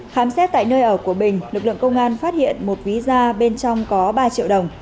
khám xét tại nơi ở của bình lực lượng công an phát hiện một ví da bên trong có ba triệu đồng